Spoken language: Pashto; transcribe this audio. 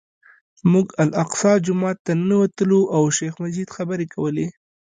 موږ الاقصی جومات ته ننوتلو او شیخ مجید خبرې کولې.